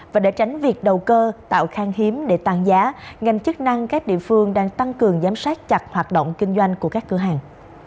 và để tránh việc đầu cơ tạo khang hiếm để tăng giá ngành chức năng các địa phương đang tăng cường giám sát chặt hoạt động kinh doanh của các cửa hàng